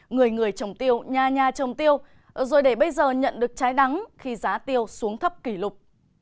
người người trồng tiêu nhà nhà trồng tiêu rồi để bây giờ nhận được trái đắng khi giá tiêu xuống thấp kỷ lục